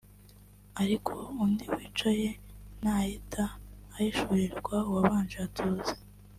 Ariko undi wicaye nahita ahishurirwa uwabanje atuze